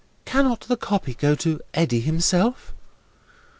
"Cannot the copy go to Eddy himself?"